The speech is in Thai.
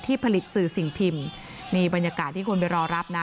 ผลิตสื่อสิ่งพิมพ์นี่บรรยากาศที่คนไปรอรับนะ